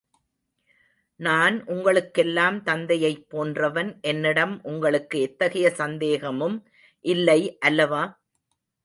நான் உங்களுக்கெல்லாம் தந்தையைப் போன்றவன் என்னிடம் உங்களுக்கு எத்தகைய சந்தேகமும் இல்லை அல்லவா?